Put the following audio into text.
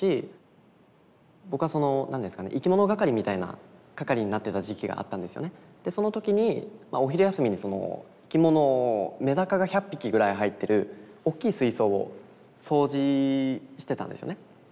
僕はその何ですかねでその時にお昼休みに生き物メダカが１００匹ぐらい入ってるおっきい水槽を掃除してたんですよね。